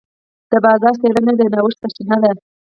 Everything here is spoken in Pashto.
د بازار څېړنه د نوښت سرچینه ده.